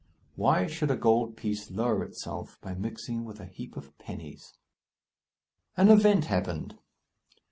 WHY SHOULD A GOLD PIECE LOWER ITSELF BY MIXING WITH A HEAP OF PENNIES? An event happened.